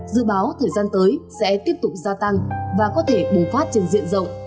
dự báo thời gian tới sẽ tiếp tục gia tăng và có thể bùng phát trên diện rộng